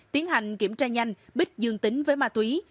tiến hành kiểm tra nhanh bích dương tính với ma túy